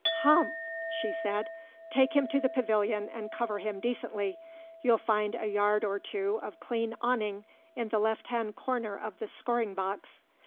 "Humph!" she said. "Take him to the pavilion and cover him decently. You'll find a yard or two of clean awning in the left hand corner of the scoring box."